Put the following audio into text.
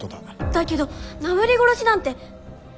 だけどなぶり殺しなんて！